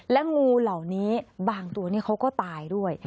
และงูเหล่านี้บางตัวเขาก็ตายด้วย